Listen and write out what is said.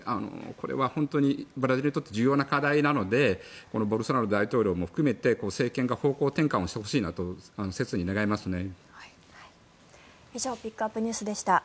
これは本当にブラジルにとって重要な課題なのでボルソナロ大統領も含めて政権が方向転換してほしいなと切に願いますね。